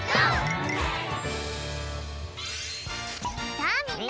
さあみんな！